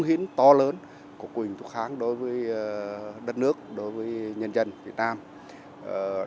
hội thảo khoa học huỳnh thúc kháng với cách mạng việt nam đối với nhà trí thức yêu nước nhiệt thành